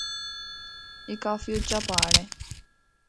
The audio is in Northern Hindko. اے کافی اُچّا پہاڑ ہے۔